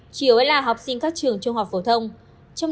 chiều ấy là học sinh các trường trung học phổ thông